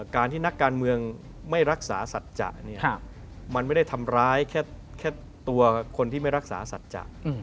การที่นักการเมืองไม่รักษาสัจจะเนี่ยมันไม่ได้ทำร้ายแค่ตัวคนที่ไม่รักษาสัจจะ